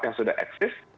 yang sudah eksis